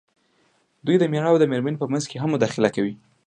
دوی د مېړۀ او مېرمنې په منځ کې هم مداخله کوي.